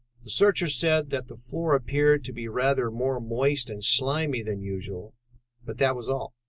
"The searchers said that the floor appeared to be rather more moist and slimy than usual, but that was all.